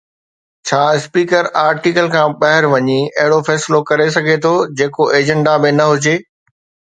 ڇا speaker article کان ٻاهر وڃي اهڙو فيصلو ڪري سگهي ٿو جيڪو ايجنڊا ۾ نه هجي.